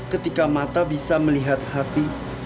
ketika mata bisa melihat hati